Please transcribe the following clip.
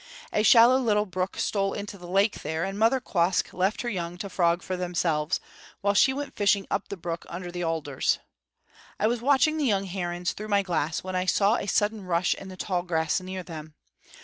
A shallow little brook stole into the lake there, and Mother Quoskh left her young to frog for themselves, while she went fishing up the brook under the alders. I was watching the young herons through my glass when I saw a sudden rush in the tall grass near them.